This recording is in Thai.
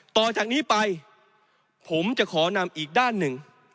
ต่อจากนี้ไปผมจะขอนำอีกด้านหนึ่ง